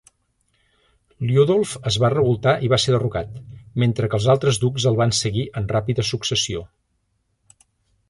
Liudolf es va revoltar i va ser derrocat, mentre que els altres ducs el van seguir en ràpida successió.